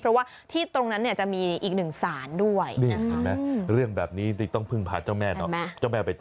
เพราะว่าที่ตรงนั้นเนี่ยจะมีอีกหนึ่งศาลด้วยเรื่องแบบนี้ต้องพึ่งพาเจ้าแม่ไปต่อ